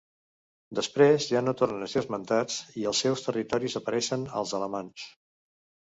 Després ja no tornen a ser esmentats i als seus territoris apareixen els alamans.